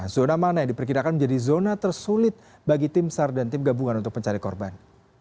zona mana yang diperkirakan menjadi zona tersulit bagi tim sar dan tim gabungan untuk mencari korban